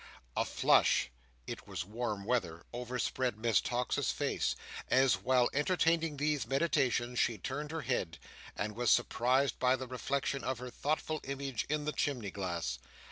A flush—it was warm weather—overspread Miss Tox's face, as, while entertaining these meditations, she turned her head, and was surprised by the reflection of her thoughtful image in the chimney glass.